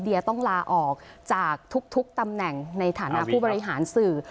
เดียต้องลาออกจากทุกตำแหน่งในฐานะผู้บริหารสื่อ